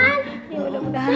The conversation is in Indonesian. ya udah mudah mudahan